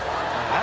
何？